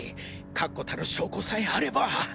確固たる証拠さえあれば。